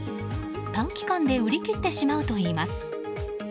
短期間で売り切ってしまうといいます。